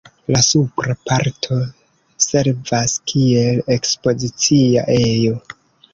La supra parto servas kiel ekspozicia ejo.